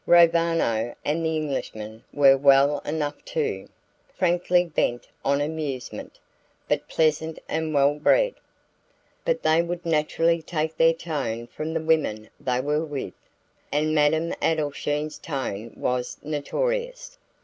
Roviano and the Englishmen were well enough too: frankly bent on amusement, but pleasant and well bred. But they would naturally take their tone from the women they were with; and Madame Adelschein's tone was notorious.